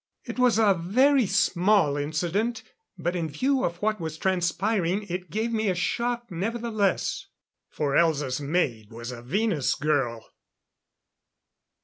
It was a very small incident, but in view of what was transpiring, it gave me a shock nevertheless. For Elza's maid was a Venus girl!